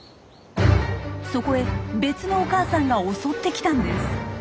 そこへ別のお母さんが襲ってきたんです。